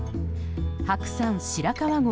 白山白川郷